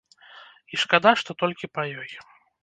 І шкада, што толькі па ёй.